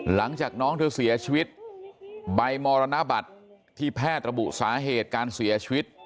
หลังจากน้องเธอเสียชีวิตใบมรณบัตรที่แพทย์ระบุสาเหตุการเสียชีวิต